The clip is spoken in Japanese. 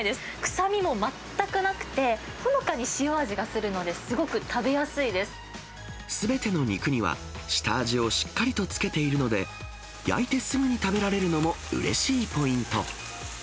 臭みも全くなくて、ほのかに塩味がするので、すごく食べやすいですべての肉には、下味をしっかりとつけているので、焼いてすぐに食べられるのもうれしいポイント。